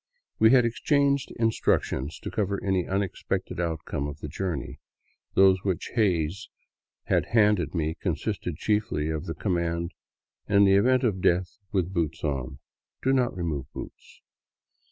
We had exchanged instructions to cover any unexpected outcome of the journey, those which Hays had handed me consisting chiefly of the command, " In the event of death with boots on, do not remove the boots